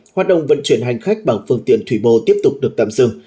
hoạt động vận chuyển hành khách bằng phương tiện thủy bồ tiếp tục được tạm dừng